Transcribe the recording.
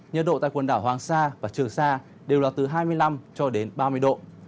nhiệt độ tại quần đảo hoàng sa và trường sa đều là từ hai mươi năm cho đến ba mươi độ